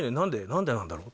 何でなんだろう？